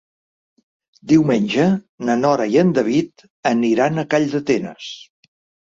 Diumenge na Nora i en David aniran a Calldetenes.